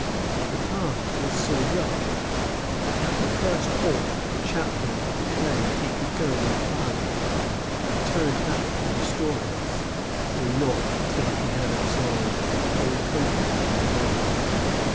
The path was so rough that at the first halt the chaplain declared he could go no farther, and turned back for the storehouse, though not till he had absolved the whole company in a body.